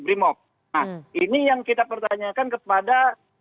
nah ini yang kita pertanyakan kepada